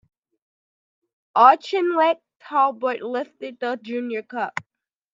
Auchinleck Talbot lifted the Junior Cup.